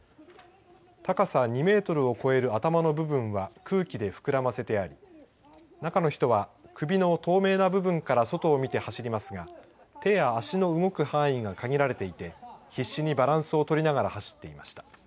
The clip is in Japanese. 高さ２メートルを超える頭の部分は空気で膨らませてあり中の人は首の透明な部分から外を見て走りますが手の足の動く範囲が限られていて必死にバランスを取りながら走っていました。